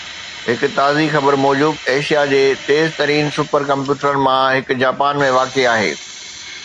هڪ تازي خبر موجب ايشيا جي تيز ترين سپر ڪمپيوٽرن مان هڪ جاپان ۾ واقع آهي